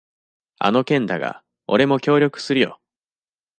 あの件だが、俺も協力するよ。